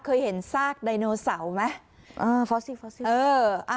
เคยเห็นซากไดโนเสาร์ไหมเออฟอสซิล์ครับเออ